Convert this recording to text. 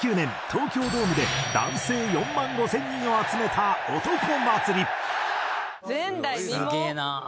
東京ドームで男性４万５０００人を集めた男祭り。